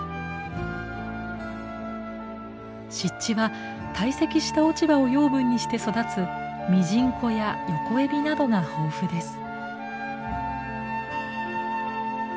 湿地は堆積した落ち葉を養分にして育つミジンコやヨコエビなどが豊富です。